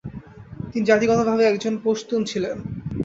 তিনি জাতিগতভাবে একজন পশতুন ছিলেন।